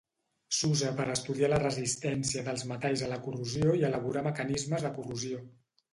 S'usa per estudiar la resistència dels metalls a la corrosió i elaborar mecanismes de corrosió.